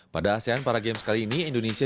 pada asean paragames kali ini indonesia